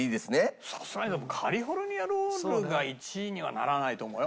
さすがにでもカリフォルニアロールが１位にはならないと思うよ。